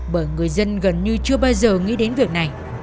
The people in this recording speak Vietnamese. bởi người dân gần như chưa bao giờ nghĩ đến việc này